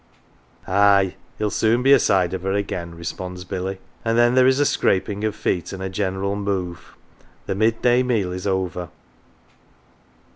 " Aye, he'll soon be aside of her again," responds Billy, and then there is a scraping of feet and a general move the mid day meal is over.